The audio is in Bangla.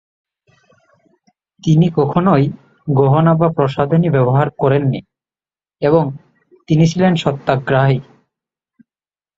তিনি কখনোই গহনা বা প্রসাধনী ব্যবহার করেননি, এবং তিনি ছিলেন সত্যগ্রাহী।